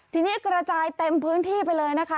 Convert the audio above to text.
ทีนี้กระจายเต็มพื้นที่ไปเลยนะคะ